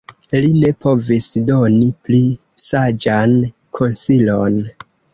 Li ne povis doni pli saĝan konsilon.